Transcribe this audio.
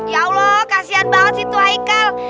ya allah kasihan banget si itu haikal